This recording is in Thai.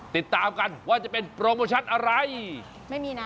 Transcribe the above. ติดตามกันว่าจะเป็นโปรโมชั่นอะไรไม่มีนะ